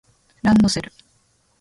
ランドセル